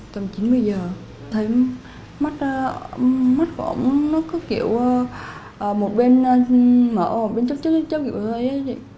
tầm chín mươi giờ thấy mắt của ổng nó có kiểu một bên mở một bên chấp chấp chấp chấp như thế